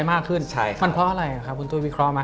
มันเพราะอะไร